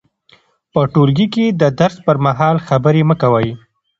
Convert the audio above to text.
په ټولګي کې د درس پر مهال خبرې مه کوئ.